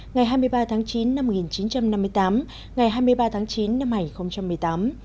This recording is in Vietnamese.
ngày hai mươi ba tháng chín năm một nghìn chín trăm năm mươi tám ngày hai mươi ba tháng chín năm hai nghìn một mươi tám